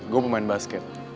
gue pemain basket